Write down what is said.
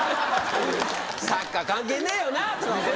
サッカー関係ねえよなとか思いながら。